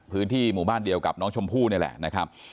พื้นที่หมู่บ้านเดียวกับน้องชมพู่นี่แหละนะครับ